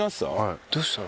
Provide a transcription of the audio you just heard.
どうしたの？